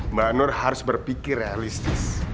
mbak nur harus berpikir realistis